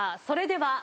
それでは。